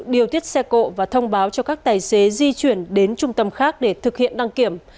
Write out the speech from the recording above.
điều tiết xe cộ và thông báo cho các tài xế di chuyển đến trung tâm khác để thực hiện đăng kiểm